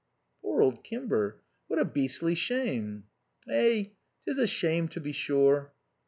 "Poor old Kimber. What a beastly shame." "Eh, 'tis a shame to be sure."